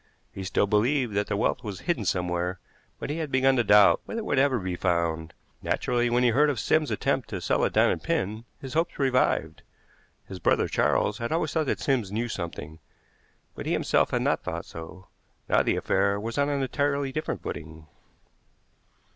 He still believed that the wealth was hidden somewhere, but he had begun to doubt whether it would ever be found. Naturally, when he heard of Sims's attempt to sell a diamond pin, his hopes revived. His brother Charles had always thought that Sims knew something, but he himself had not thought so. Now the affair was on an entirely different footing.